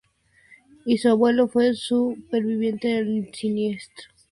Y, su abuelo fue superviviente del siniestro.